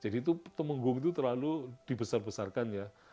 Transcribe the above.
itu temenggung itu terlalu dibesar besarkan ya